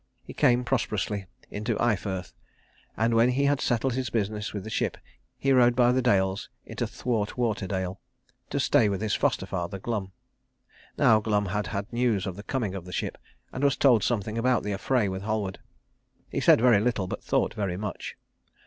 He came prosperously into Eyefirth, and when he had settled his business with the ship he rode by the dales into Thwartwaterdale, to stay with his foster father Glum. Now Glum had had news of the coming of the ship, and was told something about the affray with Halward. He said very little, but thought very much.